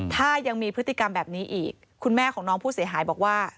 ถ้ายังมีพฤติกรรมแบบนี้อีกคุณแม่ของน้องผู้เสียหายบอกว่า